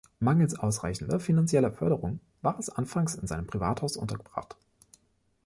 Mangels ausreichender finanzieller Förderung war es anfangs in seinem Privathaus untergebracht.